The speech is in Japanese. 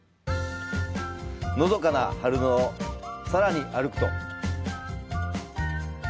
のどかな春野をさらに歩くと。